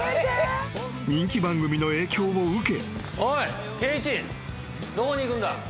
［人気番組の影響を受け］